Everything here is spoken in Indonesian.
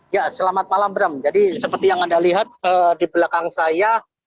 ya selamat malam bram jadi seperti yang anda lihat di belakang saya